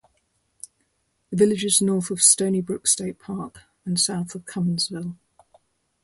The village is north of Stony Brook State Park, and south of Cumminsville.